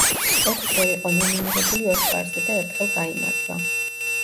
ოთხჯერ იყო ნომინირებული ოსკარზე და ერთხელ გაიმარჯვა.